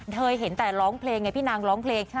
เห็นแต่ร้องเพลงไงพี่นางร้องเพลง